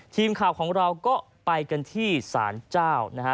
ทีมข่าวของเราก็ไปกันที่สารเจ้านะฮะ